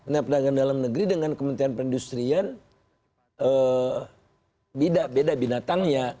nah perdagangan dalam negeri dengan kementerian perindustrian beda binatangnya